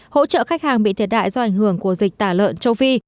hỗ trợ khách hàng bị thiệt hại do ảnh hưởng của dịch tả lợn châu phi